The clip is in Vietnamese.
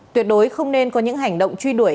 tuyệt đối không nên có những hành động truy đuổi